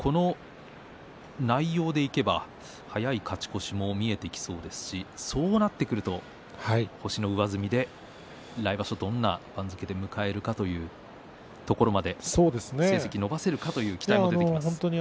内容でいけば早い勝ち越しも見えてきそうですしそうなってくると星の上積みで来場所、どんな番付を迎えるかというところまで成績伸ばせるかというところですね。